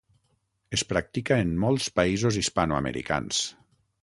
Es practica en molts països hispanoamericans.